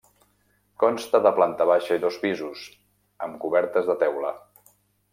Consta de planta baixa i dos pisos, amb cobertes de teula.